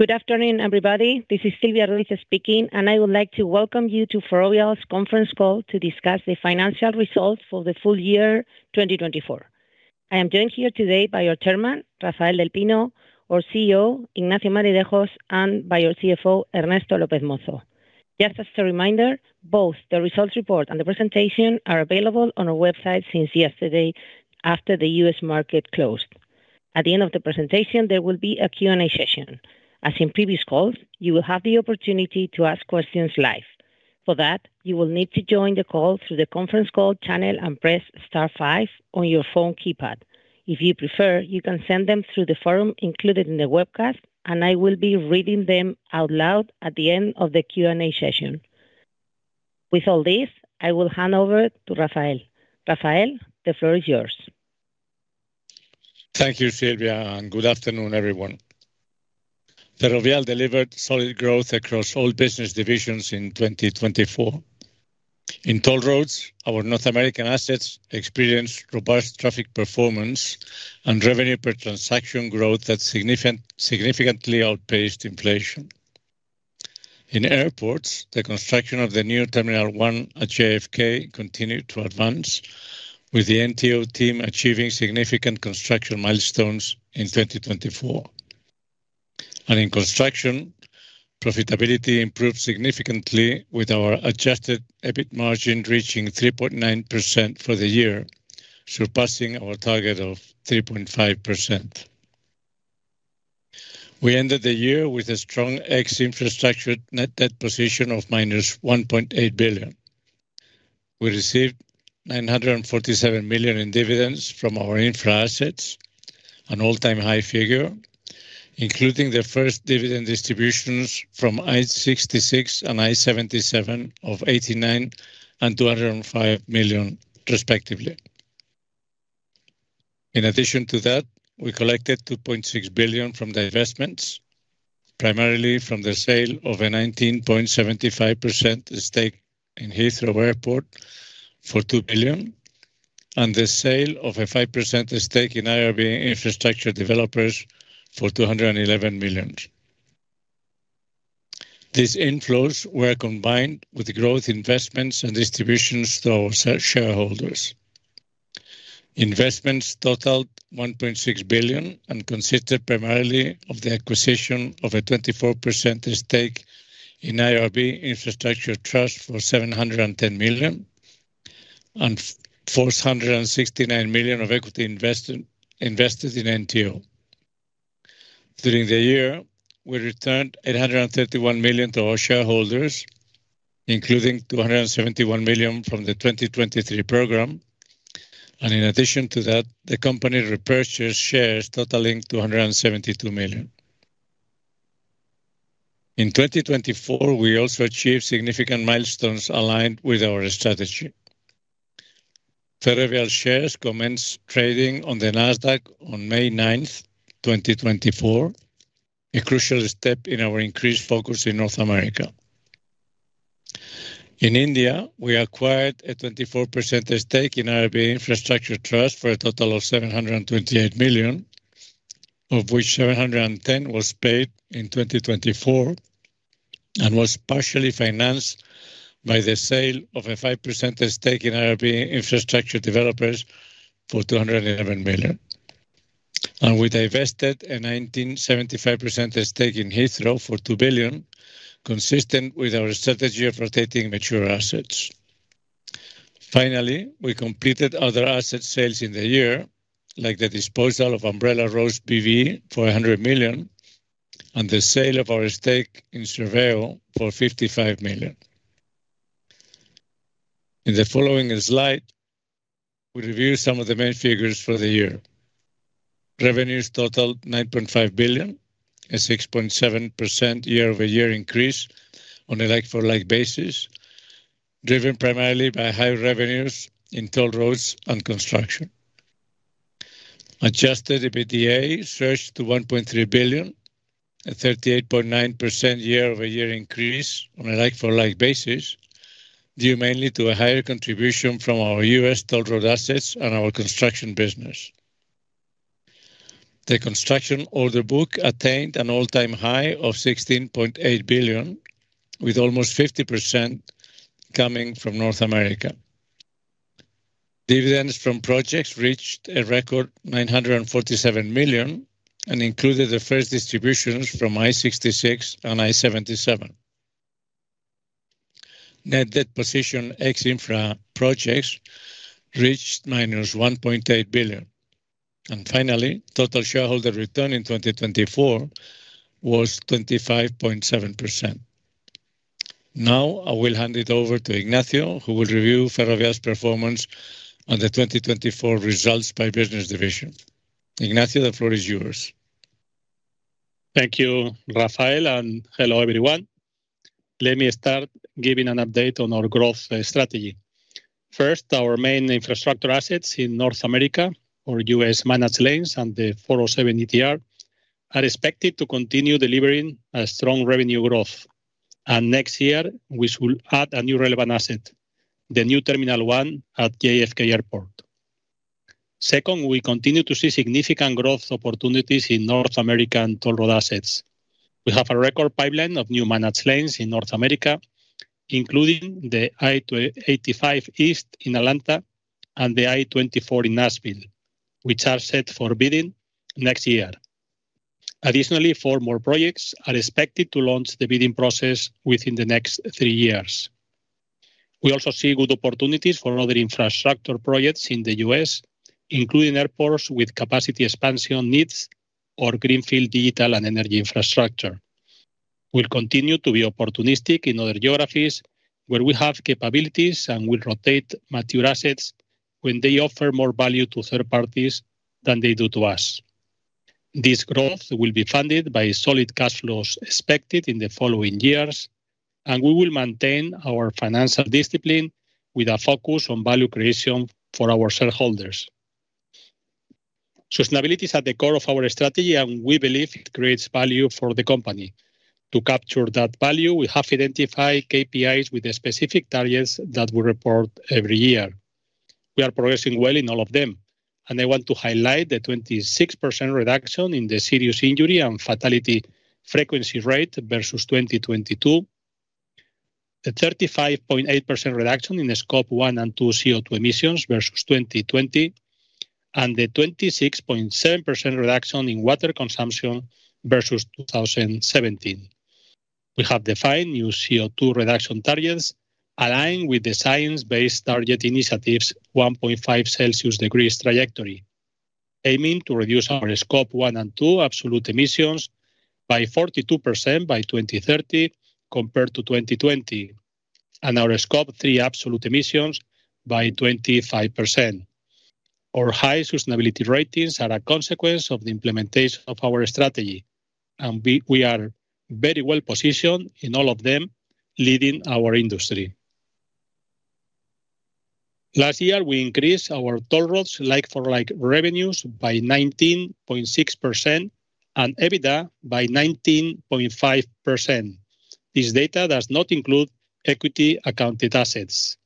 Good afternoon, everybody. This is Silvia Ruiz speaking, and I would like to welcome you to Ferrovial's conference call to discuss the financial results for the full year 2024. I am joined here today by our Chairman, Rafael del Pino, our CEO, Ignacio Madridejos, and by our CFO, Ernesto López Mozo. Just as a reminder, both the results report and the presentation are available on our website since yesterday, after the U.S. market closed. At the end of the presentation, there will be a Q&A session. As in previous calls, you will have the opportunity to ask questions live. For that, you will need to join the call through the conference call channel and press star five on your phone keypad. If you prefer, you can send them through the forum included in the webcast, and I will be reading them out loud at the end of the Q&A session. With all this, I will hand over to Rafael. Rafael, the floor is yours. Thank you, Silvia, and good afternoon, everyone. Ferrovial delivered solid growth across all business divisions in 2024. In toll roads, our North American assets experienced robust traffic performance and revenue per transaction growth that significantly outpaced inflation. In airports, the construction of the New Terminal One at JFK continued to advance, with the NTO team achieving significant construction milestones in 2024. And in construction, profitability improved significantly, with our Adjusted EBIT margin reaching 3.9% for the year, surpassing our target of 3.5%. We ended the year with a strong ex-infrastructure net debt position of minus 1.8 billion. We received 947 million in dividends from our infra assets, an all-time high figure, including the first dividend distributions from I-66 and I-77 of 89 million and 205 million, respectively. In addition to that, we collected 2.6 billion from the investments, primarily from the sale of a 19.75% stake in Heathrow Airport for 2 billion, and the sale of a 5% stake in IRB Infrastructure Developers for EUR 211 million. These inflows were combined with growth investments and distributions to our shareholders. Investments totaled 1.6 billion and consisted primarily of the acquisition of a 24% stake in IRB Infrastructure Trust for 710 million, and 469 million of equity invested in NTO. During the year, we returned 831 million to our shareholders, including 271 million from the 2023 program. And in addition to that, the company repurchased shares totaling 272 million. In 2024, we also achieved significant milestones aligned with our strategy. Ferrovial shares commenced trading on the NASDAQ on May 9, 2024, a crucial step in our increased focus in North America. In India, we acquired a 24% stake in IRB Infrastructure Trust for a total of 728 million, of which 710 million was paid in 2024 and was partially financed by the sale of a 5% stake in IRB Infrastructure Developers for 211 million. We divested a 19.75% stake in Heathrow for 2 billion, consistent with our strategy of rotating mature assets. Finally, we completed other asset sales in the year, like the disposal of Umbrella Roads B.V. for 100 million and the sale of our stake in Serveo for 55 million. In the following slide, we review some of the main figures for the year. Revenues totaled 9.5 billion, a 6.7% year-over-year increase on a like-for-like basis, driven primarily by high revenues in toll roads and construction. Adjusted EBITDA surged to 1.3 billion, a 38.9% year-over-year increase on a like-for-like basis, due mainly to a higher contribution from our U.S. toll road assets and our construction business. The construction order book attained an all-time high of 16.8 billion, with almost 50% coming from North America. Dividends from projects reached a record 947 million and included the first distributions from I-66 and I-77. Net debt position ex-infra projects reached minus 1.8 billion. And finally, total shareholder return in 2024 was 25.7%. Now, I will hand it over to Ignacio, who will review Ferrovial's performance and the 2024 results by business division. Ignacio, the floor is yours. Thank you, Rafael, and hello, everyone. Let me start giving an update on our growth strategy. First, our main infrastructure assets in North America, our U.S.-managed lanes and the 407 ETR, are expected to continue delivering a strong revenue growth. And next year, we will add a new relevant asset, the New Terminal One at JFK Airport. Second, we continue to see significant growth opportunities in North American toll road assets. We have a record pipeline of new managed lanes in North America, including the I-85 East in Atlanta and the I-24 in Nashville, which are set for bidding next year. Additionally, four more projects are expected to launch the bidding process within the next three years. We also see good opportunities for other infrastructure projects in the U.S., including airports with capacity expansion needs or greenfield digital and energy infrastructure. We'll continue to be opportunistic in other geographies where we have capabilities and will rotate mature assets when they offer more value to third parties than they do to us. This growth will be funded by solid cash flows expected in the following years, and we will maintain our financial discipline with a focus on value creation for our shareholders. Sustainability is at the core of our strategy, and we believe it creates value for the company. To capture that value, we have identified KPIs with the specific targets that we report every year. We are progressing well in all of them, and I want to highlight the 26% reduction in the serious injury and fatality frequency rate versus 2022, the 35.8% reduction in Scope 1 and 2 CO2 emissions versus 2020, and the 26.7% reduction in water consumption versus 2017. We have defined new CO2 reduction targets aligned with the Science Based Targets initiative's 1.5 degrees Celsius trajectory, aiming to reduce our Scope 1 and 2 absolute emissions by 42% by 2030 compared to 2020, and our Scope 3 absolute emissions by 25%. Our high sustainability ratings are a consequence of the implementation of our strategy, and we are very well positioned in all of them leading our industry. Last year, we increased our toll roads like-for-like revenues by 19.6% and EBITDA by 19.5%. This data does not include equity-accounted assets.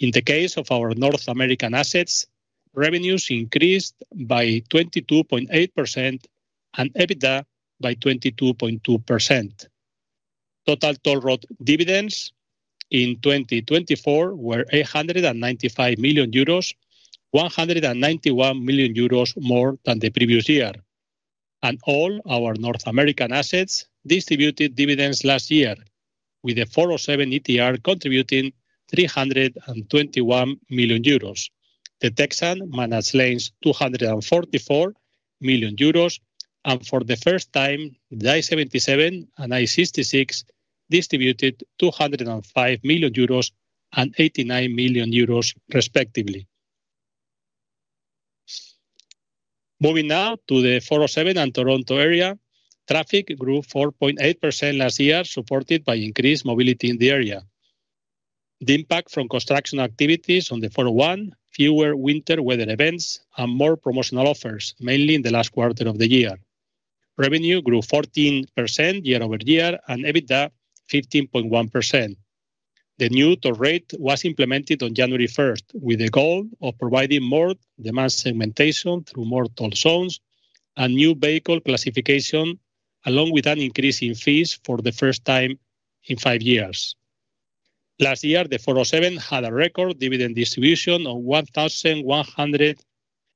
In the case of our North American assets, revenues increased by 22.8% and EBITDA by 22.2%. Total toll road dividends in 2024 were 895 million euros, 191 million euros more than the previous year. All our North American assets distributed dividends last year, with the 407 ETR contributing 321 million euros, the Texan managed lanes 244 million euros, and for the first time, the I-77 and I-66 distributed 205 million euros and 89 million euros, respectively. Moving now to the 407 and Toronto area, traffic grew 4.8% last year, supported by increased mobility in the area, the impact from construction activities on the 401, fewer winter weather events, and more promotional offers, mainly in the last quarter of the year. Revenue grew 14% year-over-year and EBITDA 15.1%. The new toll rate was implemented on January 1st, with the goal of providing more demand segmentation through more toll zones and new vehicle classification, along with an increase in fees for the first time in five years. Last year, the 407 had a record dividend distribution of 1,100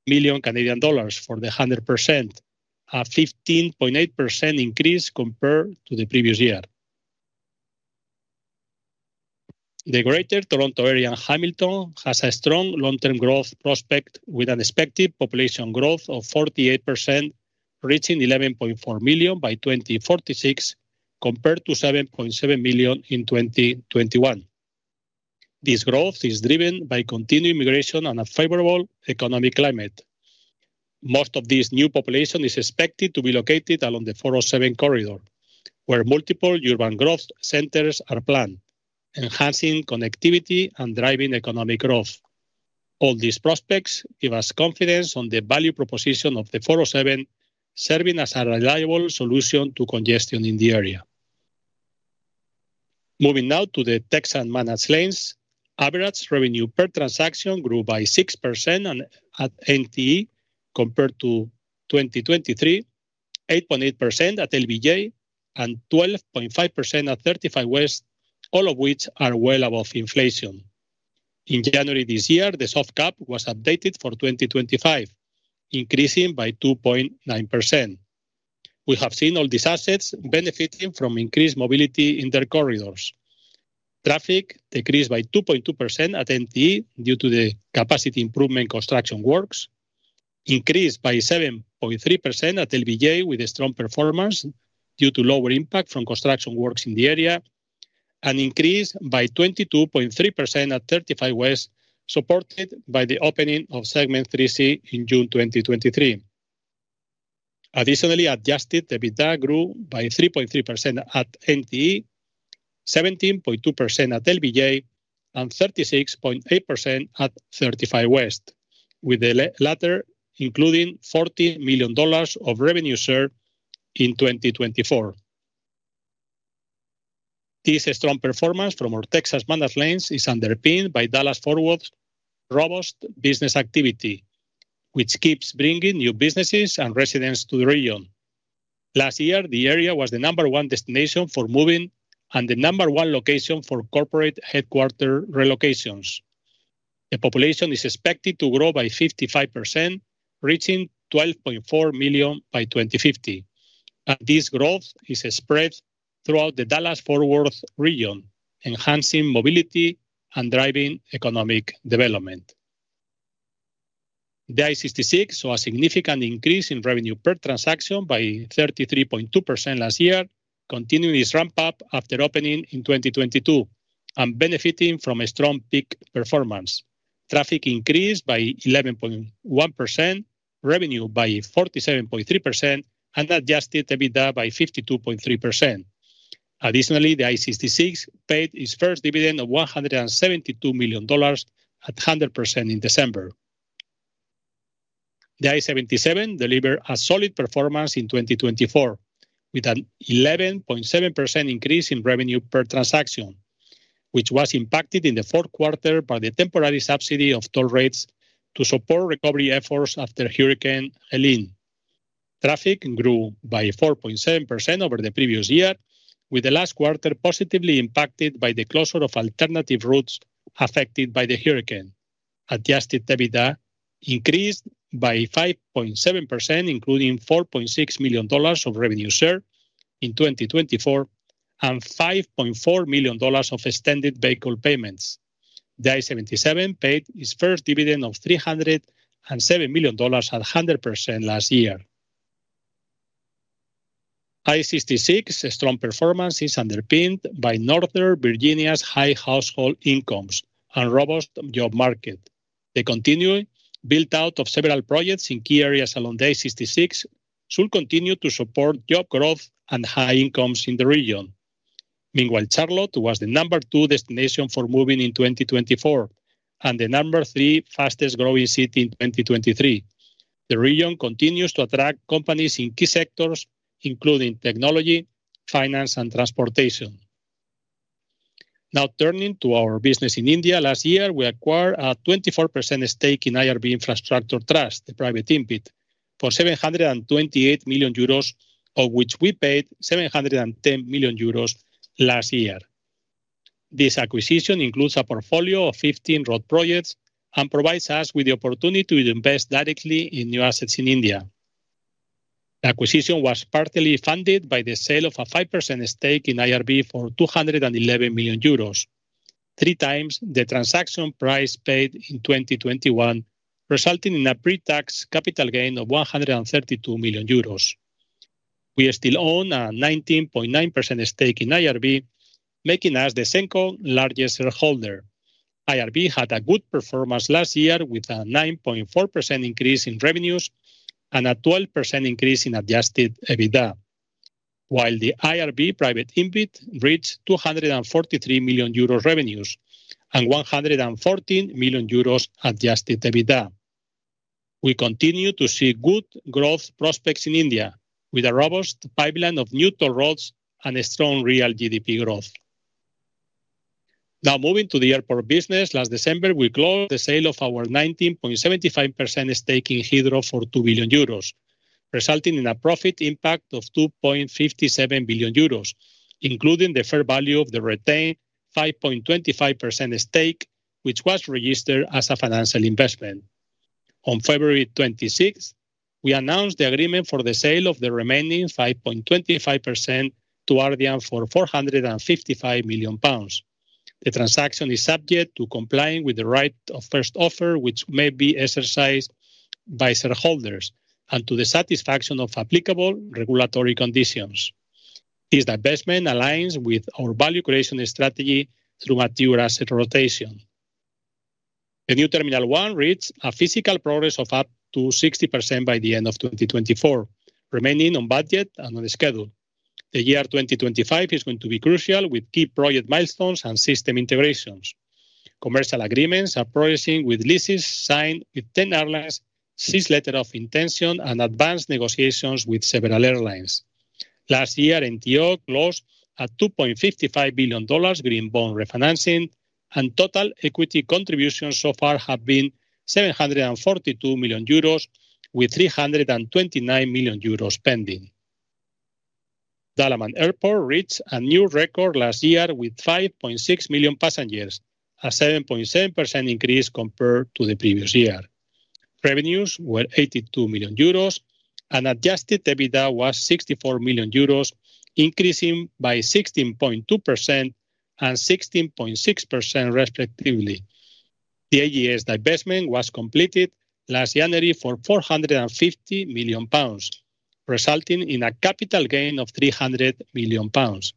million Canadian dollars for the 100%, a 15.8% increase compared to the previous year. The Greater Toronto Area and Hamilton has a strong long-term growth prospect with an expected population growth of 48%, reaching 11.4 million by 2046 compared to 7.7 million in 2021. This growth is driven by continued migration and a favorable economic climate. Most of this new population is expected to be located along the 407 corridor, where multiple urban growth centers are planned, enhancing connectivity and driving economic growth. All these prospects give us confidence on the value proposition of the 407, serving as a reliable solution to congestion in the area. Moving now to the Texan managed lanes, average revenue per transaction grew by 6% at NTE compared to 2023, 8.8% at LBJ, and 12.5% at 35 West, all of which are well above inflation. In January this year, the soft cap was updated for 2025, increasing by 2.9%. We have seen all these assets benefiting from increased mobility in their corridors. Traffic decreased by 2.2% at NTE due to the capacity improvement construction works, increased by 7.3% at LBJ with a strong performance due to lower impact from construction works in the area, and increased by 22.3% at 35 West, supported by the opening of Segment 3C in June 2023. Additionally, Adjusted EBITDA grew by 3.3% at NTE, 17.2% at LBJ, and 36.8% at 35 West, with the latter including $40 million of revenue share in 2024. This strong performance from our Texas managed lanes is underpinned by Dallas-Fort Worth's robust business activity, which keeps bringing new businesses and residents to the region. Last year, the area was the number one destination for moving and the number one location for corporate headquarters relocations. The population is expected to grow by 55%, reaching 12.4 million by 2050. This growth is spread throughout the Dallas-Fort Worth region, enhancing mobility and driving economic development. The I-66 saw a significant increase in revenue per transaction by 33.2% last year, continuing its ramp-up after opening in 2022 and benefiting from a strong peak performance. Traffic increased by 11.1%, revenue by 47.3%, and Adjusted EBITDA by 52.3%. Additionally, the I-66 paid its first dividend of $172 million at 100% in December. The I-77 delivered a solid performance in 2024, with an 11.7% increase in revenue per transaction, which was impacted in the Q4 by the temporary subsidy of toll rates to support recovery efforts after Hurricane Helene. Traffic grew by 4.7% over the previous year, with the last quarter positively impacted by the closure of alternative routes affected by the hurricane. Adjusted EBITDA increased by 5.7%, including $4.6 million of revenue share in 2024 and $5.4 million of extended vehicle payments. The I-77 paid its first dividend of $307 million at 100% last year. I-66's strong performance is underpinned by Northern Virginia's high household incomes and robust job market. The continued build-out of several projects in key areas along the I-66 should continue to support job growth and high incomes in the region. Meanwhile, Charlotte was the number two destination for moving in 2024 and the number three fastest-growing city in 2023. The region continues to attract companies in key sectors, including technology, finance, and transportation. Now, turning to our business in India, last year, we acquired a 24% stake in IRB Infrastructure Trust, the private InvIT, for 728 million euros, of which we paid 710 million euros last year. This acquisition includes a portfolio of 15 road projects and provides us with the opportunity to invest directly in new assets in India. The acquisition was partly funded by the sale of a 5% stake in IRB for 211 million euros, three times the transaction price paid in 2021, resulting in a pre-tax capital gain of 132 million euros. We still own a 19.9% stake in IRB, making us the second largest shareholder. IRB had a good performance last year with a 9.4% increase in revenues and a 12% increase in adjusted EBITDA, while the IRB private InvIT reached 243 million euros revenues and 114 million euros adjusted EBITDA. We continue to see good growth prospects in India, with a robust pipeline of new toll roads and a strong real GDP growth. Now, moving to the airport business, last December, we closed the sale of our 19.75% stake in Heathrow for 2 billion euros, resulting in a profit impact of 2.57 billion euros, including the fair value of the retained 5.25% stake, which was registered as a financial investment. On February 26, we announced the agreement for the sale of the remaining 5.25% to Ardian for 455 million pounds. The transaction is subject to complying with the right of first offer, which may be exercised by shareholders, and to the satisfaction of applicable regulatory conditions. This investment aligns with our value creation strategy through mature asset rotation. The New Terminal One reached a physical progress of up to 60% by the end of 2024, remaining on budget and on schedule. The year 2025 is going to be crucial with key project milestones and system integrations. Commercial agreements are progressing with leases signed with 10 airlines, signed letters of intention, and advanced negotiations with several airlines. Last year, NTO closed a $2.55 billion green bond refinancing, and total equity contributions so far have been 742 million euros, with 329 million euros pending. Dalaman Airport reached a new record last year with 5.6 million passengers, a 7.7% increase compared to the previous year. Revenues were 82 million euros, and Adjusted EBITDA was 64 million euros, increasing by 16.2% and 16.6%, respectively. The AGS divestment was completed last January for 450 million pounds, resulting in a capital gain of 300 million pounds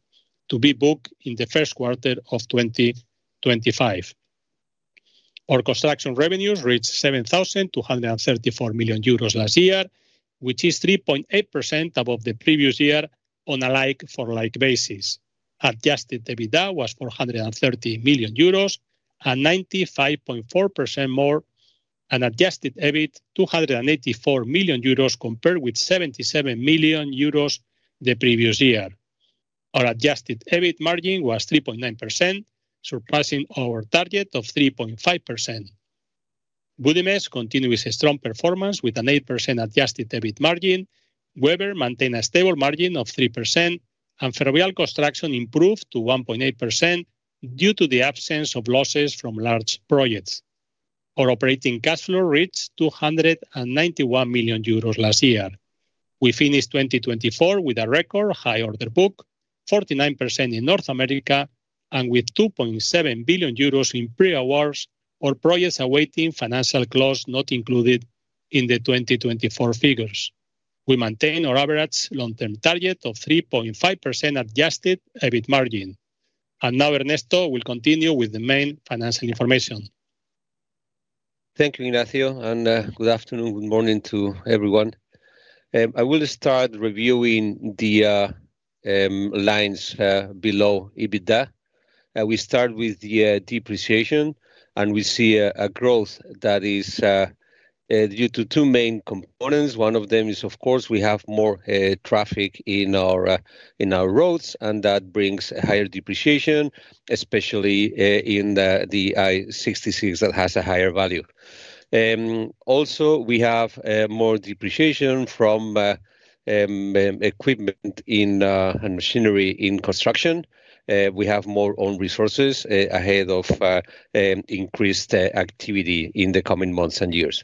to be booked in the Q1 of 2025. Our construction revenues reached 7,234 million euros last year, which is 3.8% above the previous year on a like-for-like basis. Adjusted EBITDA was 430 million euros and 95.4% more, and Adjusted EBIT 284 million euros compared with 77 million euros the previous year. Our adjusted EBIT margin was 3.9%, surpassing our target of 3.5%. Budimex continues its strong performance with an 8% adjusted EBIT margin. Webber maintained a stable margin of 3%, and Ferrovial Construction improved to 1.8% due to the absence of losses from large projects. Our operating cash flow reached 291 million euros last year. We finished 2024 with a record high order book, 49% in North America, and with 2.7 billion euros in pre-awards or projects awaiting financial clause not included in the 2024 figures. We maintain our average long-term target of 3.5% adjusted EBIT margin. And now, Ernesto will continue with the main financial information. Thank you, Ignacio, and good afternoon, good morning to everyone. I will start reviewing the lines below EBITDA. We start with the depreciation, and we see a growth that is due to two main components. One of them is, of course, we have more traffic in our roads, and that brings a higher depreciation, especially in the I-66 that has a higher value. Also, we have more depreciation from equipment and machinery in construction. We have more own resources ahead of increased activity in the coming months and years.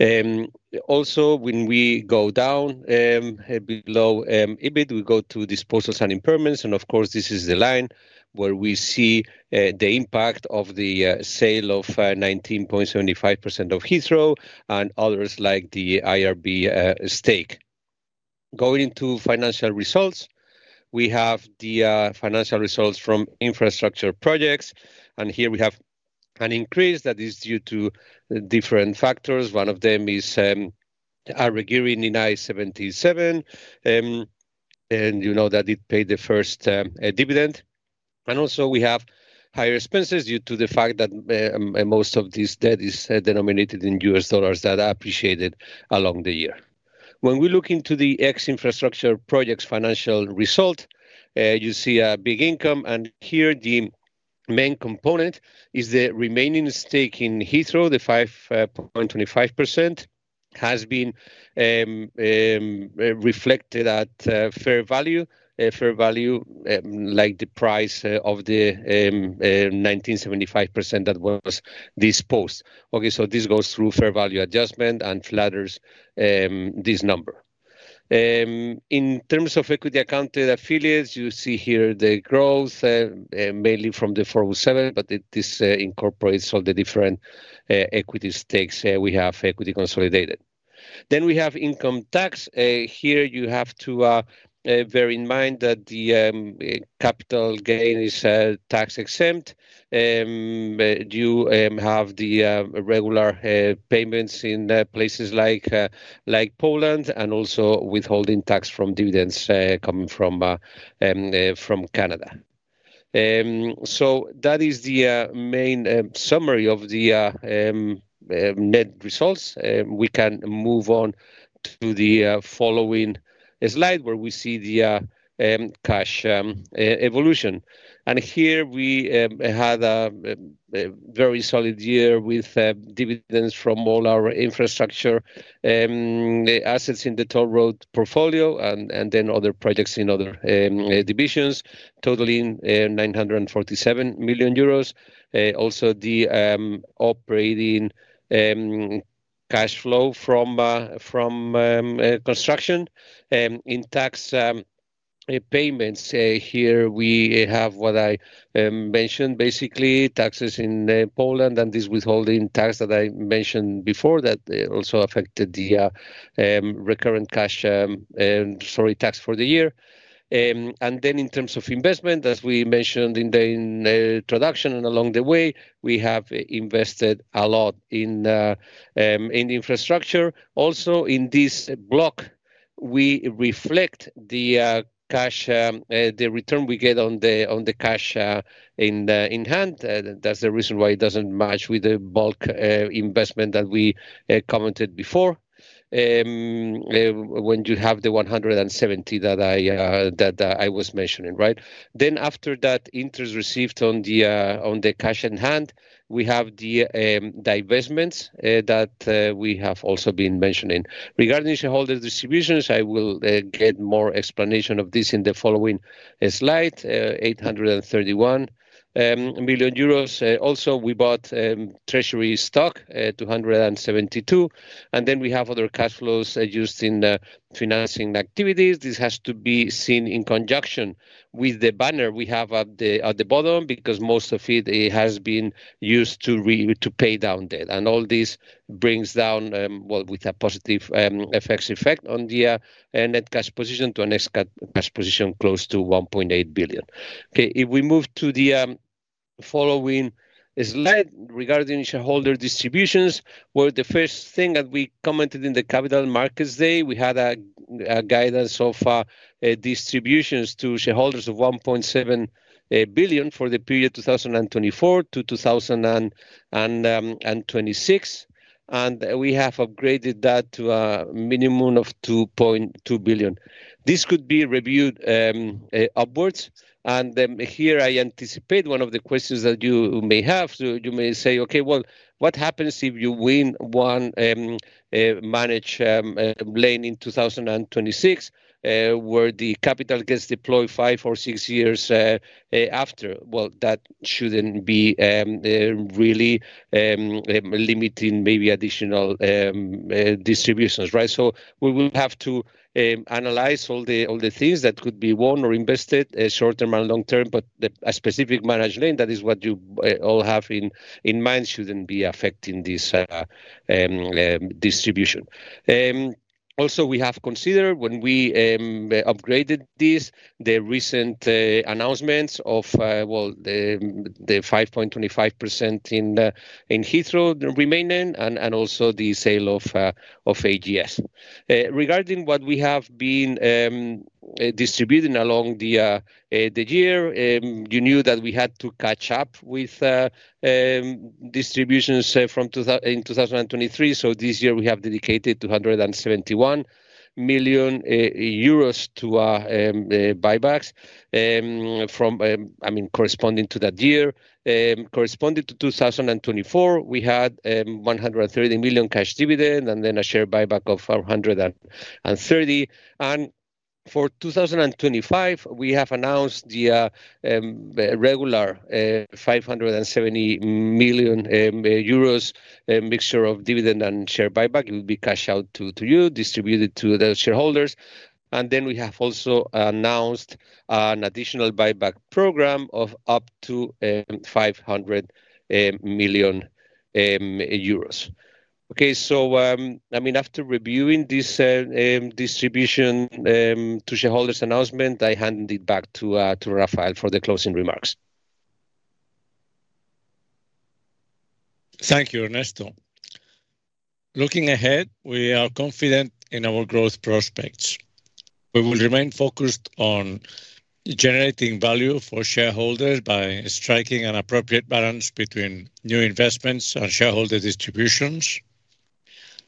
And also, when we go down below EBIT, we go to disposals and impairments, and of course, this is the line where we see the impact of the sale of 19.75% of Heathrow and others like the IRB stake. Going into financial results, we have the financial results from infrastructure projects, and here we have an increase that is due to different factors. One of them is arbitrage in I-77, and you know, that it paid the first step dividend. And also, we have higher expenses due to the fact that most of this debt is denominated in U.S. dollars that are appreciated along the year. When we look into the ex-infrastructure projects financial result, you see a big income, and here the main component is the remaining stake in Heathrow, the 5.25%, has been reflected at fair value, fair value like the price of the 19.75% that was disposed. Okay, so this goes through fair value adjustment and flatters this number. In terms of equity accounted affiliates, you see here the growth mainly from the 407, but it incorporates all the different equity stakes we have equity consolidated. Then we have income tax. Here you have to bear in mind that the capital gain is tax-exempt due to the regular payments in places like Poland and also withholding tax from dividends coming from Canada. That is the main summary of the net results. We can move on to the following slide where we see the cash evolution. Here we had a very solid year with dividends from all our infrastructure assets in the toll road portfolio and then other projects in other divisions, totaling 947 million euros. And also, the operating cash flow from construction in tax payments. Here we have what I mentioned, basically taxes in Poland and this withholding tax that I mentioned before that also affected the recurrent cash, sorry, tax for the year. Then in terms of investment, as we mentioned in the introduction and along the way, we have invested a lot in infrastructure. Also, in this block, we reflect the cash, the return we get on the cash in hand. That's the reason why it doesn't match with the bulk investment that we commented before when you have the 170 that I was mentioning, right? Then after that, interest received on the cash in hand, we have the divestments that we have also been mentioning. Regarding shareholder distributions, I will get more explanation of this in the following slide, 831 million euros. Also, we bought treasury stock, 272, and then we have other cash flows used in financing activities. This has to be seen in conjunction with the banner we have at the bottom because most of it has been used to pay down debt, and all this brings down, well, with a positive effect on the net cash position to a net cash position close to 1.8 billion. Okay, if we move to the following slide regarding shareholder distributions, where the first thing that we commented in the Capital Markets Day, we had a guidance of distributions to shareholders of 1.7 billion for the period 2024 to 2026, and we have upgraded that to a minimum of 2.2 billion. This could be reviewed upwards, and here I anticipate one of the questions that you may have. You may say, "Okay, well, what happens if you win one managed lane in 2026 where the capital gets deployed five or six years after?" Well, that shouldn't be really limiting maybe additional distributions, right? So we will have to analyze all the things that could be won or invested short term and long term, but a specific managed lane, that is what you all have in mind, shouldn't be affecting this distribution. And also, we have considered when we upgraded this, the recent announcements of, well, the 5.25% in Heathrow remaining and also the sale of AGS. Regarding what we have been distributing along the year, you knew that we had to catch up with distributions in 2023, so this year we have dedicated 271 million euros to buybacks from, I mean, corresponding to that year. Corresponding to 2024, we had 130 million cash dividend and then a share buyback of 130. And for 2025, we have announced the regular 570 million euros mixture of dividend and share buyback. It will be cashed out to you, distributed to the shareholders. And then we have also announced an additional buyback program of up to 500 million euros. Okay, so I mean, after reviewing this distribution to shareholders announcement, I hand it back to Rafael for the closing remarks. Thank you, Ernesto. Looking ahead, we are confident in our growth prospects. We will remain focused on generating value for shareholders by striking an appropriate balance between new investments and shareholder distributions,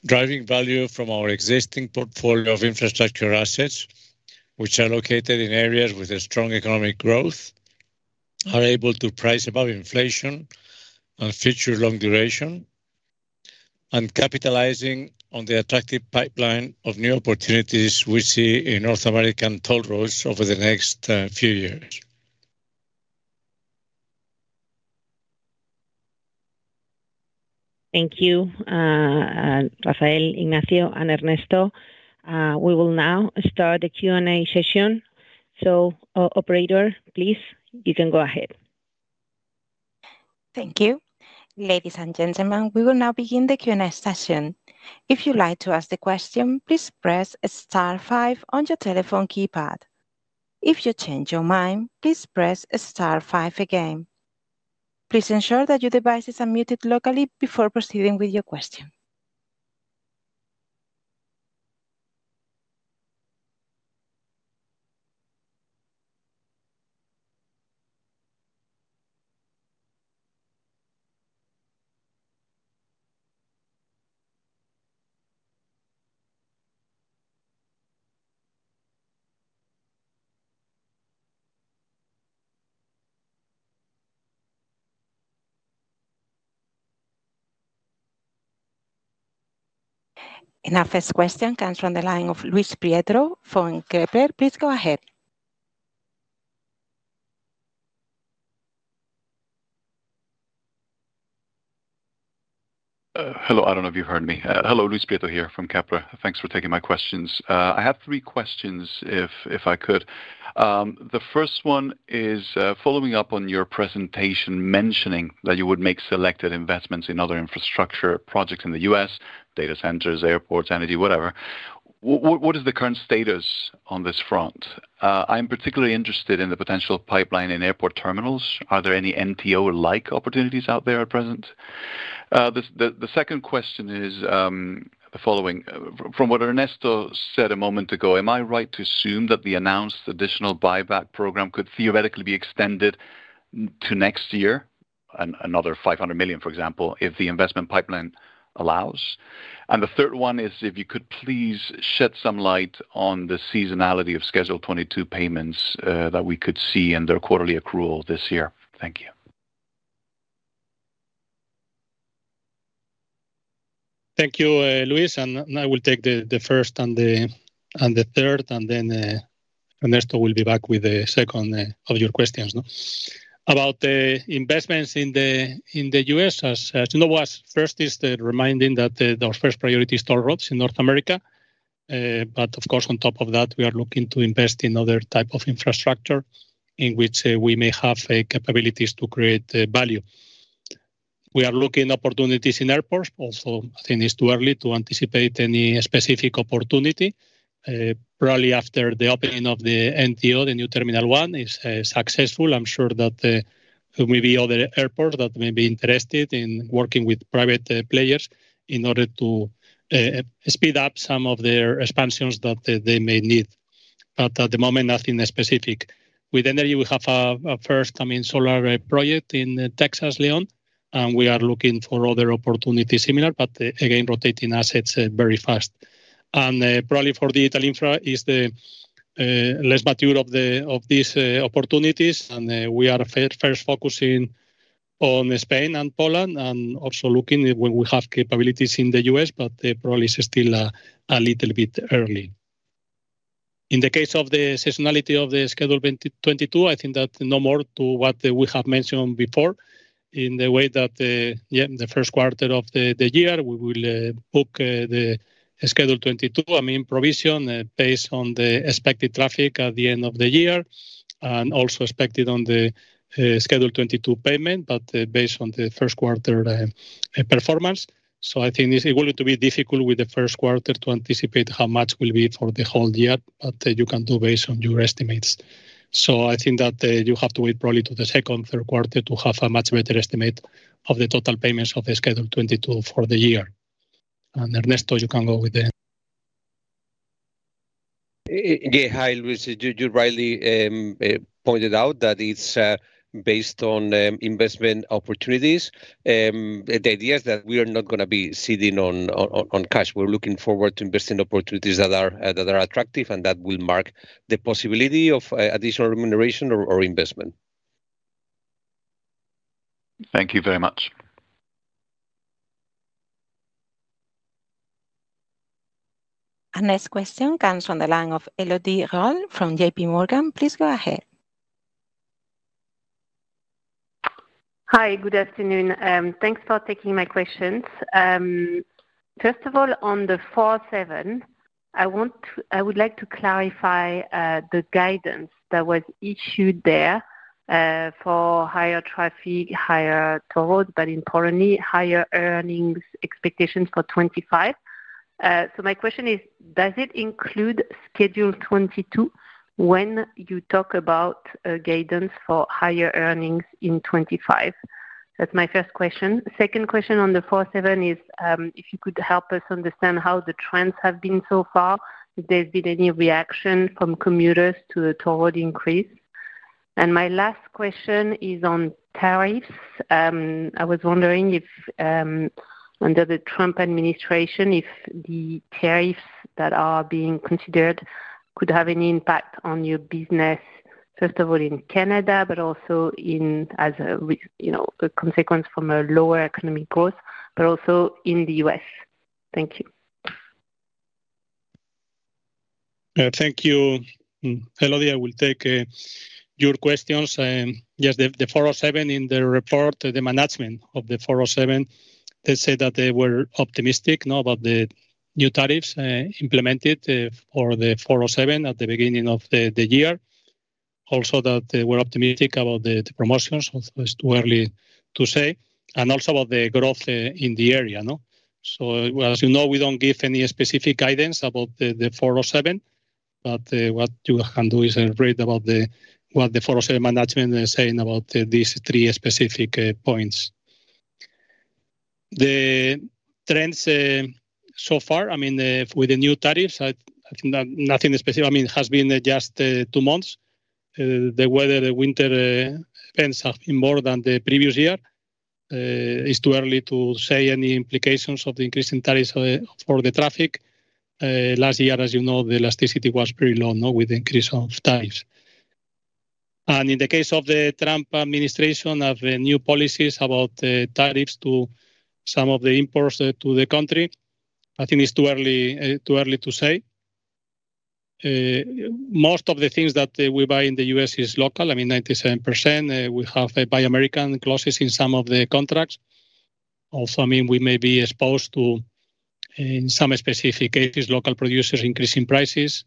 driving value from our existing portfolio of infrastructure assets, which are located in areas with strong economic growth, are able to price above inflation and feature long duration, and capitalizing on the attractive pipeline of new opportunities we see in North American toll roads over the next few years. Thank you, Rafael, Ignacio, and Ernesto. We will now start the Q&A session. So, operator, please, you can go ahead. Thank you. Ladies and gentlemen, we will now begin the Q&A session. If you'd like to ask a question, please press star five on your telephone keypad. If you change your mind, please press star five again. Please ensure that your device is unmuted locally before proceeding with your question. Our first question comes from the line of Luis Prieto from Kepler. Please go ahead. Hello, I don't know if you heard me. Hello, Luis Prieto here from Kepler. Thanks for taking my questions. I have three questions, if I could. The first one is following up on your presentation mentioning that you would make selected investments in other infrastructure projects in the U.S., data centers, airports, energy, whatever. What is the current status on this front? I'm particularly interested in the potential pipeline in airport terminals. Are there any NTO-like opportunities out there at present? The second question is the following. From what Ernesto said a moment ago, am I right to assume that the announced additional buyback program could theoretically be extended to next year, another 500 million, for example, if the investment pipeline allows? And the third one is if you could please shed some light on the seasonality of Schedule 22 payments that we could see in their quarterly accrual this year. Thank you. Thank you, Luis, and I will take the first and the third, and then Ernesto will be back with the second of your questions. About investments in the U.S., as you know, first is the reminding that our first priority is toll roads in North America, but of course, on top of that, we are looking to invest in other types of infrastructure in which we may have capabilities to create value. We are looking at opportunities in airports. Also, I think it's too early to anticipate any specific opportunity. Probably after the opening of the NTO, the New Terminal One is successful. I'm sure that there may be other airports that may be interested in working with private players in order to speed up some of their expansions that they may need. But at the moment, nothing specific. With energy, we have a first, I mean, solar project in Texas, Leon, and we are looking for other opportunities similar, but again, rotating assets very fast. And probably for the digital infra is the less mature of these opportunities, and we are first focusing on Spain and Poland and also looking when we have capabilities in the U.S., but probably it's still a little bit early. In the case of the seasonality of the Schedule 22, I think that no more to what we have mentioned before in the way that, yeah, the Q1 of the year we will book the Schedule 22, I mean, provision based on the expected traffic at the end of the year and also expected on the Schedule 22 payment, but based on the Q1 performance. So I think it will be difficult with the Q1 to anticipate how much will be for the whole year, but you can do based on your estimates. So I think that you have to wait probably to the second, Q3 to have a much better estimate of the total payments of the Schedule 22 for the year. And Ernesto, you can go with the. Yeah, hi, Luis. You rightly pointed out that it's based on investment opportunities. The idea is that we are not going to be sitting on cash. We're looking forward to investing opportunities that are attractive and that will mark the possibility of additional remuneration or investment. Thank you very much. Next question comes from the line of Elodie Rall from JP Morgan. Please go ahead. Hi, good afternoon. Thanks for taking my questions. First of all, on the 407, I would like to clarify the guidance that was issued there for higher traffic, higher toll roads, but in Poland, higher earnings expectations for 2025. So my question is, does it include Schedule 22 when you talk about guidance for higher earnings in 2025? That's my first question. Second question on the 407 is if you could help us understand how the trends have been so far, if there's been any reaction from commuters to the toll road increase. My last question is on tariffs. I was wondering if under the Trump administration, if the tariffs that are being considered could have any impact on your business, first of all in Canada, but also as a consequence from a lower economic growth, but also in the US? Thank you. Thank you. Elodie, I will take your questions. Yes, the 407 in the report, the management of the 407, they said that they were optimistic about the new tariffs implemented for the 407 at the beginning of the year. Also that they were optimistic about the promotions, although it's too early to say, and also about the growth in the area. So as you know, we don't give any specific guidance about the 407, but what you can do is read about what the 407 management is saying about these three specific points. The trends so far, I mean, with the new tariffs, I think that nothing specific, I mean, has been just two months. The weather, the winter events have been more than the previous year. It's too early to say any implications of the increasing tariffs for the traffic. Last year, as you know, the elasticity was pretty low with the increase of tariffs, and in the case of the Trump administration, of the new policies about the tariffs to some of the imports to the country, I think it's too early to say. Most of the things that we buy in the U.S. is local. I mean, 97% we have Buy American clauses in some of the contracts. Also, I mean, we may be exposed to, in some specific cases, local producers increasing prices.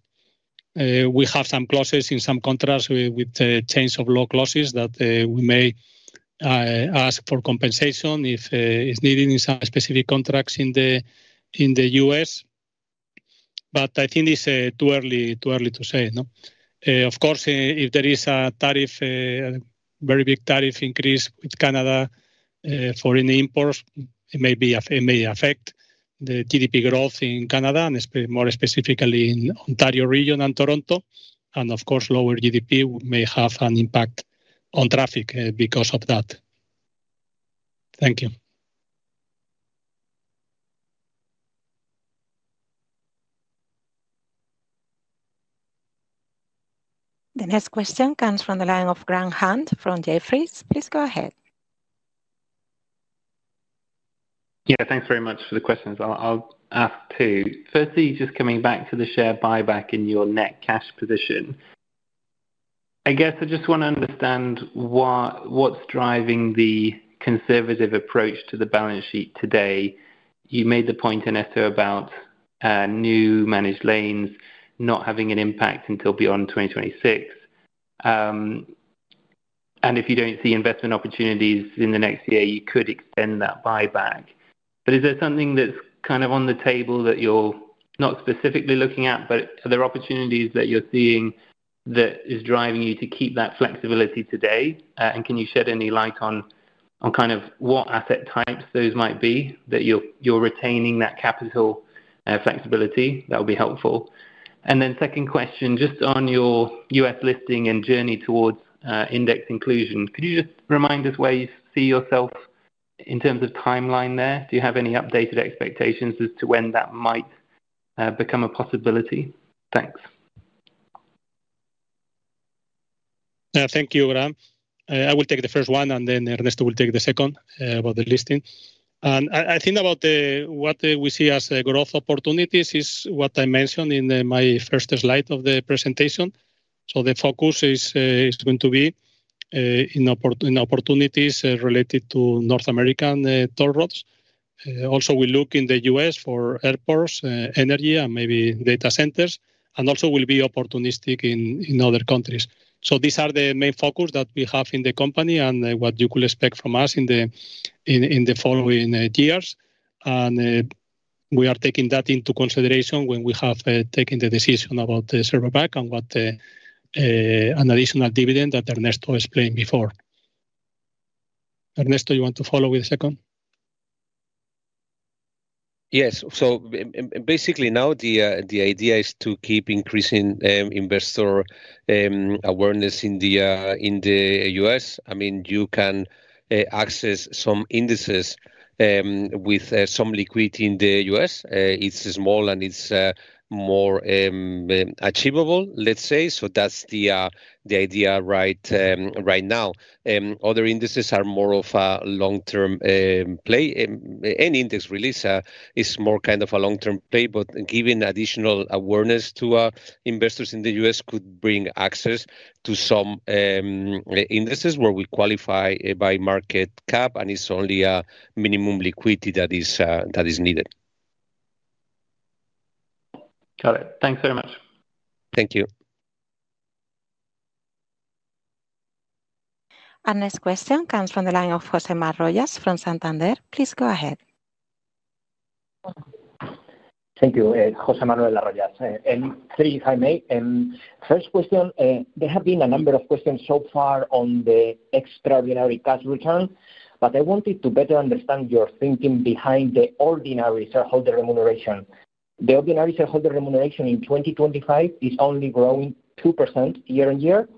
We have some clauses in some contracts with change of law clauses that we may ask for compensation if needed in some specific contracts in the U.S. But I think it's too early to say. Of course, if there is a tariff, a very big tariff increase with Canada for any imports, it may affect the GDP growth in Canada and more specifically in the Ontario region and Toronto, and of course, lower GDP may have an impact on traffic because of that. Thank you. The next question comes from the line of Graham Hunt from Jefferies. Please go ahead. Yeah, thanks very much for the questions. I'll ask two. Firstly, just coming back to the share buyback in your net cash position, I guess I just want to understand what's driving the conservative approach to the balance sheet today. You made the point, Ernesto, about new managed lanes not having an impact until beyond 2026. And if you don't see investment opportunities in the next year, you could extend that buyback. But is there something that's kind of on the table that you're not specifically looking at, but are there opportunities that you're seeing that are driving you to keep that flexibility today? And can you shed any light on kind of what asset types those might be that you're retaining that capital flexibility? That would be helpful. And then second question, just on your U.S. listing and journey towards index inclusion, could you just remind us where you see yourself in terms of timeline there? Do you have any updated expectations as to when that might become a possibility? Thanks. Thank you, Graham. I will take the first one, and then Ernesto will take the second about the listing. I think about what we see as growth opportunities is what I mentioned in my first slide of the presentation. The focus is going to be in opportunities related to North American toll roads. Also, we look in the U.S. for airports, energy, and maybe data centers, and also will be opportunistic in other countries. These are the main focus that we have in the company and what you could expect from us in the following years. We are taking that into consideration when we have taken the decision about the share buyback and an additional dividend that Ernesto explained before. Ernesto, you want to follow with the second? Yes, so basically now the idea is to keep increasing investor awareness in the U.S. I mean, you can access some indices with some liquidity in the U.S. It's small and it's more achievable, let's say. So that's the idea right now. Other indices are more of a long-term play. Any index release is more kind of a long-term play, but giving additional awareness to investors in the U.S. could bring access to some indices where we qualify by market cap, and it's only a minimum liquidity that is needed. Got it. Thanks very much. Thank you. And next question comes from the line of José Manuel Arroyas from Santander. Please go ahead. Thank you, José Manuel Arroyas. And three if I may. First question, there have been a number of questions so far on the extraordinary cash return, but I wanted to better understand your thinking behind the ordinary shareholder remuneration. The ordinary shareholder remuneration in 2025 is only growing 2% year on year,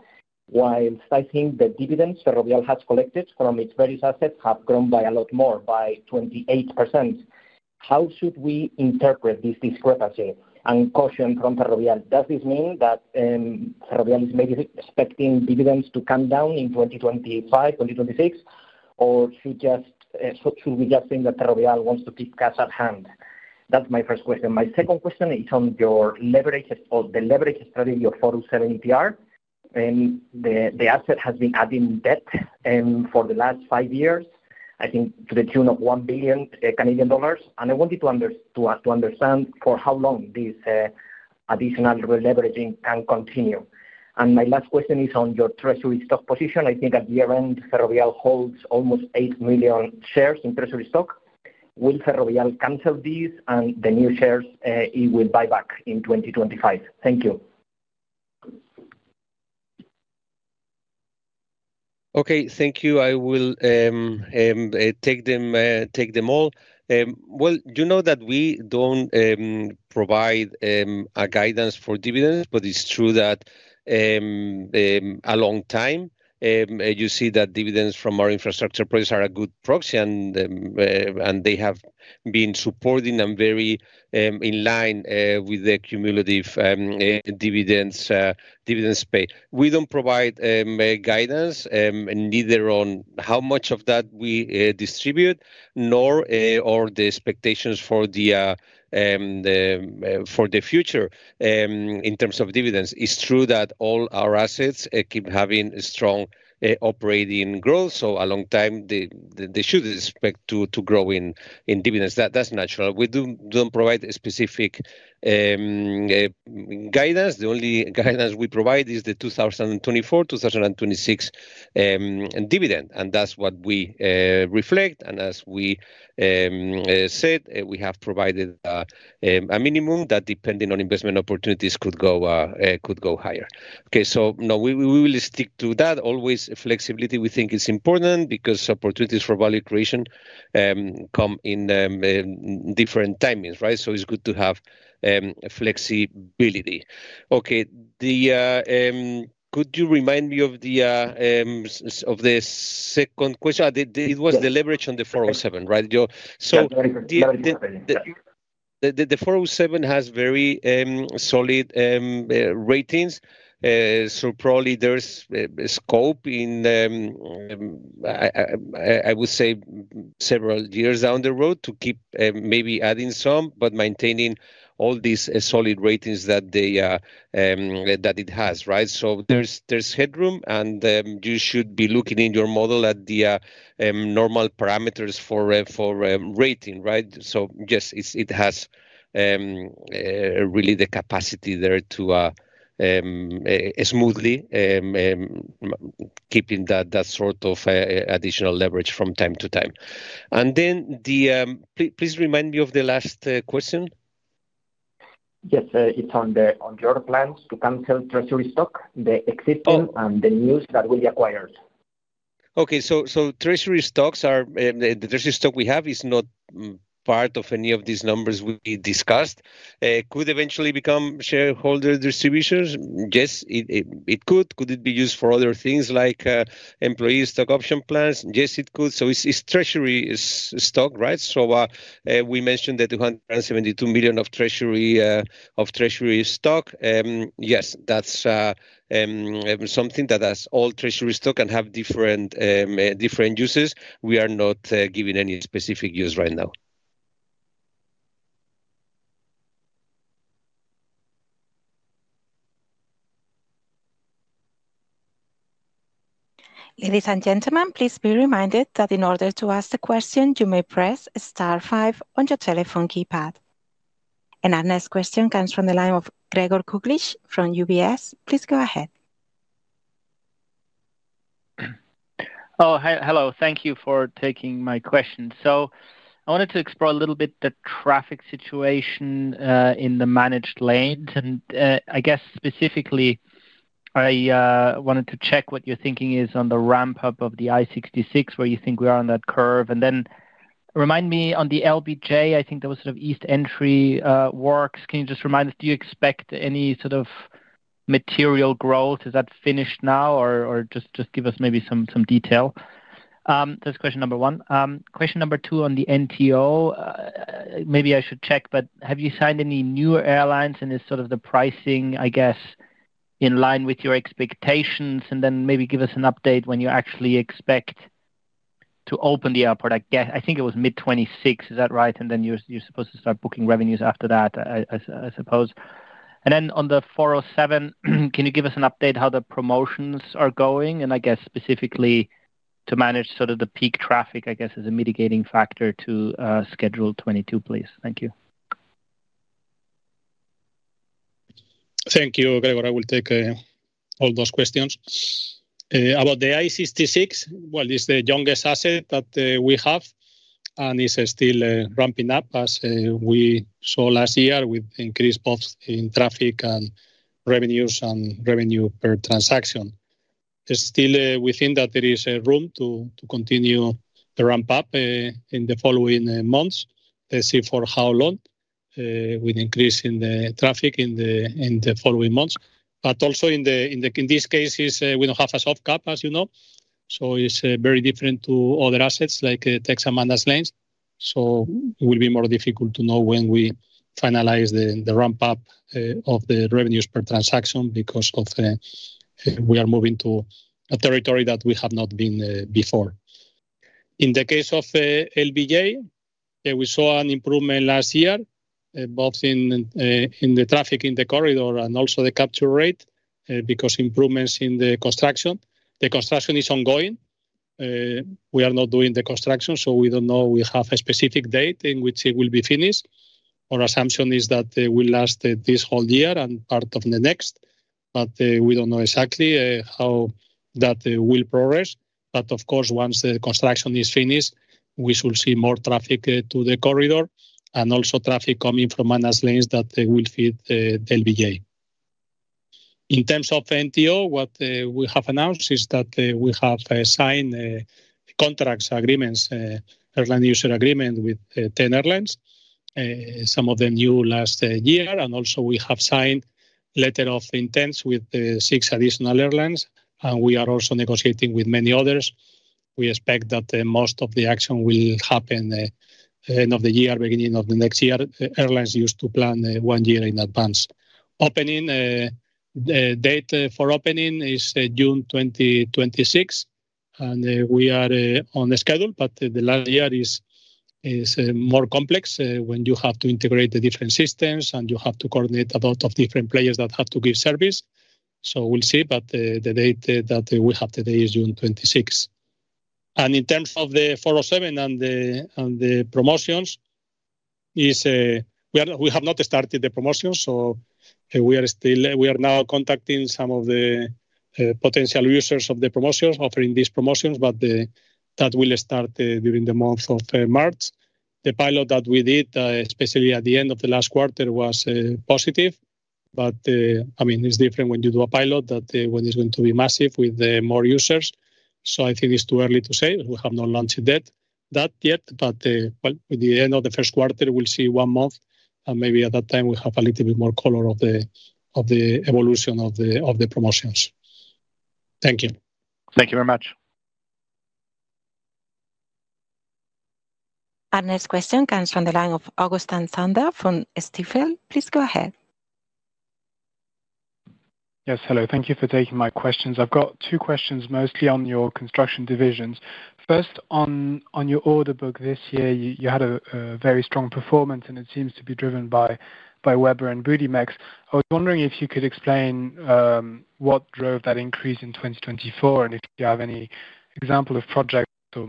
while I think the dividends Ferrovial has collected from its various assets have grown by a lot more, by 28%. How should we interpret this discrepancy and caution from Ferrovial? Does this mean that Ferrovial is maybe expecting dividends to come down in 2025, 2026, or should we just think that Ferrovial wants to keep cash at hand? That's my first question. My second question is on the leverage strategy of 407 ETR. The asset has been adding debt for the last five years, I think to the tune of 1 billion Canadian dollars. And I wanted to understand for how long this additional leveraging can continue. And my last question is on your treasury stock position. I think at year-end, Ferrovial holds almost eight million shares in treasury stock. Will Ferrovial cancel these and the new shares it will buy back in 2025? Thank you. Okay, thank you. I will take them all. Well, you know that we don't provide guidance for dividends, but it's true that a long time you see that dividends from our infrastructure projects are a good proxy, and they have been supporting and very in line with the cumulative dividends pay. We don't provide guidance neither on how much of that we distribute nor the expectations for the future in terms of dividends. It's true that all our assets keep having strong operating growth, so a long time they should expect to grow in dividends. That's natural. We don't provide specific guidance. The only guidance we provide is the 2024, 2026 dividend, and that's what we reflect. And as we said, we have provided a minimum that depending on investment opportunities could go higher. Okay, so no, we will stick to that. Always flexibility, we think it's important because opportunities for value creation come in different timings, right? So it's good to have flexibility. Okay, could you remind me of the second question? It was the leverage on the 407, right? So the 407 has very solid ratings, so probably there's scope in, I would say, several years down the road to keep maybe adding some, but maintaining all these solid ratings that it has, right? So there's headroom, and then you should be looking in your model at the normal parameters for rating, right? So yes, it has really the capacity there to smoothly keep that sort of additional leverage from time to time. And then the, please remind me of the last question. Yes, it's on your plans to cancel treasury stock, the existing and the news that will be acquired. Okay, so treasury stocks are the treasury stock we have is not part of any of these numbers we discussed. Could eventually become shareholder distributions? Yes, it could. Could it be used for other things like employee stock option plans? Yes, it could. So it's treasury stock, right? So we mentioned the 272 million of treasury stock. Yes, that's something that has all treasury stock and have different uses. We are not giving any specific use right now. Ladies and gentlemen, please be reminded that in order to ask the question, you may press star five on your telephone keypad. And our next question comes from the line of Gregor Kuglitsch from UBS. Please go ahead. Oh, hello. Thank you for taking my question. So I wanted to explore a little bit the traffic situation in the managed lane. And I guess specifically, I wanted to check what your thinking is on the ramp-up of the I-66, where you think we are on that curve. And then remind me on the LBJ. I think there was sort of east entry works. Can you just remind us? Do you expect any sort of material growth? Is that finished now, or just give us maybe some detail? That's question number one. Question number two on the NTO, maybe I should check, but have you signed any new airlines, and is sort of the pricing, I guess, in line with your expectations? And then maybe give us an update when you actually expect to open the airport. I think it was mid-2026, is that right? And then you're supposed to start booking revenues after that, I suppose. And then on the 407, can you give us an update how the promotions are going? And I guess specifically to manage sort of the peak traffic, I guess, as a mitigating factor to schedule 22, please. Thank you. Thank you, Gregor. I will take all those questions. About the I-66, well, it is the youngest asset that we have, and it is still ramping up as we saw last year with increased both in traffic and revenues and revenue per transaction. Still, we think that there is room to continue the ramp-up in the following months to see for how long with increasing the traffic in the following months. But also in these cases, we do not have a soft cap, as you know. So it is very different to other assets like Texas managed lanes. So it will be more difficult to know when we finalize the ramp-up of the revenues per transaction because we are moving to a territory that we have not been before. In the case of LBJ, we saw an improvement last year, both in the traffic in the corridor and also the capture rate because improvements in the construction. The construction is ongoing. We are not doing the construction, so we don't know. We have a specific date in which it will be finished. Our assumption is that it will last this whole year and part of the next, but we don't know exactly how that will progress. But of course, once the construction is finished, we should see more traffic to the corridor and also traffic coming from managed lanes that will feed LBJ. In terms of NTO, what we have announced is that we have signed contracts, agreements, airline user agreements with 10 airlines, some of them new last year. And also we have signed letters of intent with six additional airlines, and we are also negotiating with many others. We expect that most of the action will happen at the end of the year, beginning of the next year. Airlines used to plan one year in advance. Opening date for opening is June 2026, and we are on the schedule, but the last year is more complex when you have to integrate the different systems and you have to coordinate a lot of different players that have to give service. So we'll see, but the date that we have today is June 26. In terms of the 407 and the promotions, we have not started the promotions, so we are now contacting some of the potential users of the promotions, offering these promotions, but that will start during the month of March. The pilot that we did, especially at the end of the last quarter, was positive, but I mean, it's different when you do a pilot when it's going to be massive with more users. So I think it's too early to say. We have not launched that yet, but with the end of the Q1, we'll see one month, and maybe at that time we have a little bit more color of the evolution of the promotions. Thank you. Thank you very much. Our next question comes from the line of Augustin Cendre from Stifel. Please go ahead. Yes, hello. Thank you for taking my questions. I've got two questions mostly on your construction divisions. First, on your order book this year, you had a very strong performance, and it seems to be driven by Webber and Budimex. I was wondering if you could explain what drove that increase in 2024 and if you have any example of projects or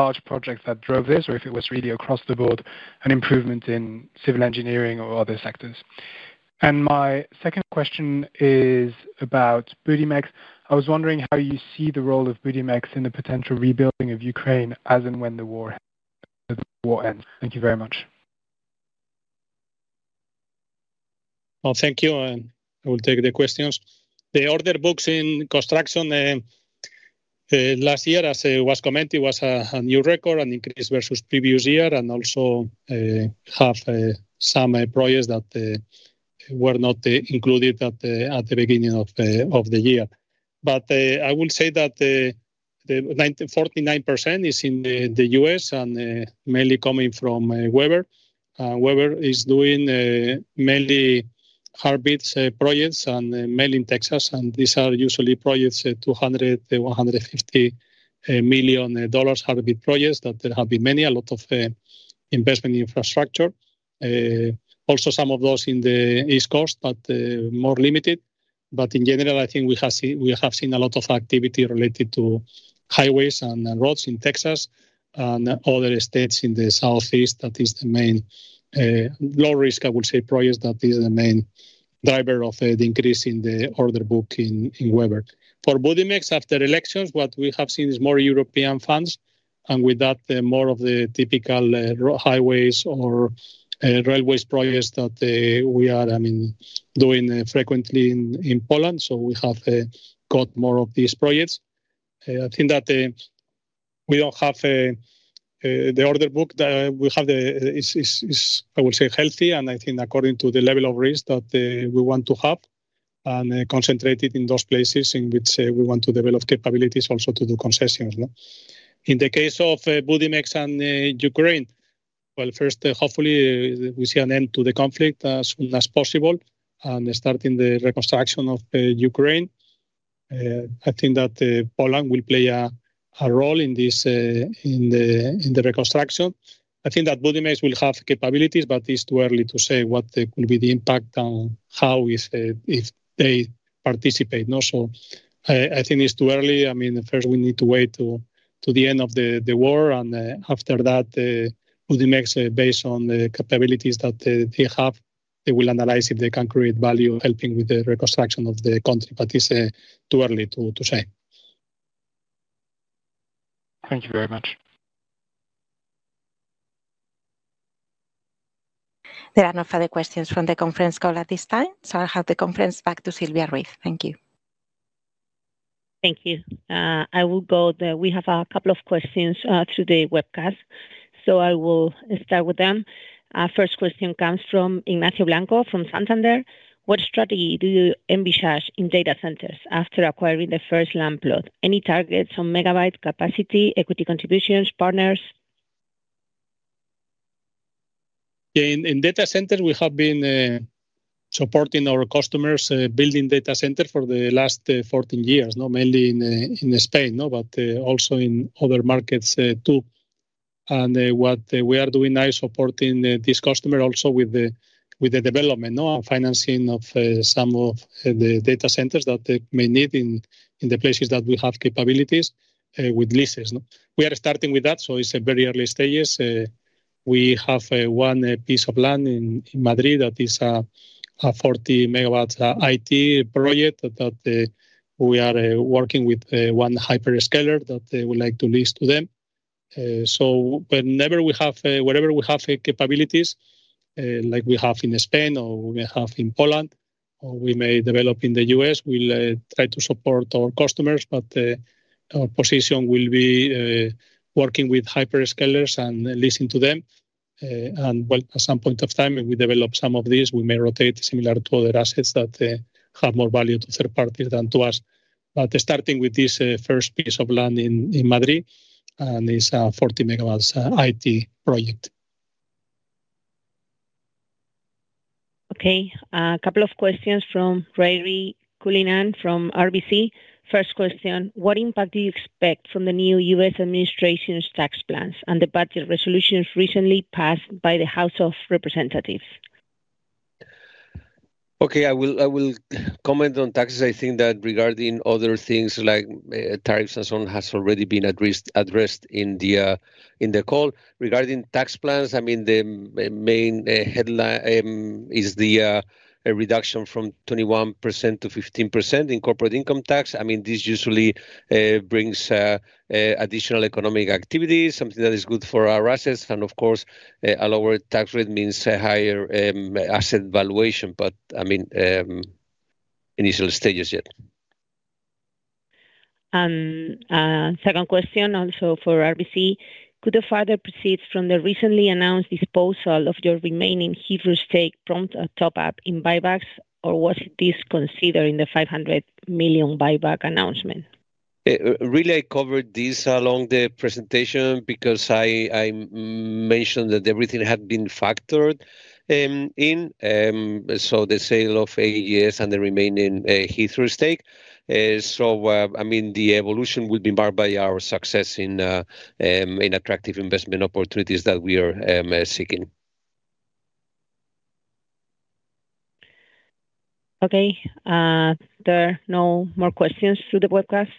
large projects that drove this, or if it was really across the board an improvement in civil engineering or other sectors. And my second question is about Budimex. I was wondering how you see the role of Budimex in the potential rebuilding of Ukraine as and when the war ends. Thank you very much. Well, thank you, and I will take the questions. The order books in construction last year, as it was commented, were a new record and increased versus previous year, and also have some projects that were not included at the beginning of the year. I will say that 49% is in the US and mainly coming from Webber. Webber is doing mainly hard bid projects and mainly in Texas, and these are usually projects at $150 million-$200 million hard bid projects that there have been many, a lot of infrastructure investment. Also some of those in the East Coast, but more limited. In general, I think we have seen a lot of activity related to highways and roads in Texas and other states in the Southeast. That is the main low-risk, I would say, project that is the main driver of the increase in the order book in Webber. For Budimex, after elections, what we have seen is more European funds, and with that, more of the typical highways or railways projects that we are doing frequently in Poland. So we have got more of these projects. I think that we don't have the order book that we have, I would say, healthy, and I think according to the level of risk that we want to have and concentrate it in those places in which we want to develop capabilities also to do concessions. In the case of Budimex and Ukraine, well, first, hopefully, we see an end to the conflict as soon as possible and starting the reconstruction of Ukraine. I think that Poland will play a role in the reconstruction. I think that Budimex will have capabilities, but it's too early to say what will be the impact on how if they participate. So I think it's too early. I mean, first, we need to wait to the end of the war, and after that, Budimex, based on the capabilities that they have, they will analyze if they can create value. Helping with the reconstruction of the country, but it's too early to say. Thank you very much. There are no further questions from the conference call at this time. So I'll have the conference back to Silvia Ruiz. Thank you. Thank you. I will go to the webcast. We have a couple of questions from the webcast, so I will start with them. First question comes from Ignacio Blanco from Santander. What strategy do you envisage in data centers after acquiring the first land plot? Any targets on megawatt capacity, equity contributions, partners? In data centers, we have been supporting our customers building data centers for the last 14 years, mainly in Spain, but also in other markets too. What we are doing now is supporting this customer also with the development and financing of some of the data centers that they may need in the places that we have capabilities with leases. We are starting with that, so it's a very early stage. We have one piece of land in Madrid that is a 40 MW IT project that we are working with one hyperscaler that we'd like to lease to them. Wherever we have capabilities, like we have in Spain or we have in Poland, or we may develop in the U.S., we'll try to support our customers, but our position will be working with hyperscalers and leasing to them. At some point of time, if we develop some of these, we may rotate similar to other assets that have more value to third parties than to us. But starting with this first piece of land in Madrid, and it's a 40 MW IT project. A couple of questions from Ruairi Cullinane from RBC. First question, what impact do you expect from the new U.S. administration's tax plans and the budget resolutions recently passed by the House of Representatives? I will comment on taxes. I think that regarding other things like tariffs and so on has already been addressed in the call. Regarding tax plans, I mean, the main headline is the reduction from 21% to 15% in corporate income tax. I mean, this usually brings additional economic activity, something that is good for our assets. Of course, a lower tax rate means a higher asset valuation, but I mean, initial stages yet. Second question also for RBC, could the proceeds from the recently announced disposal of your remaining Heathrow stake prompt top-up in buybacks, or was this considered in the 500 million buyback announcement? Really, I covered this during the presentation because I mentioned that everything had been factored in, so the sale of AGS and the remaining Heathrow stake. So I mean, the evolution will be marked by our success in attractive investment opportunities that we are seeking. Okay. There are no more questions to the webcast.